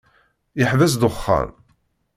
Yeḥbes ddexxan.